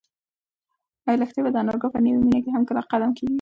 ایا لښتې به د انارګل په نوې مېنه کې کله هم قدم کېږدي؟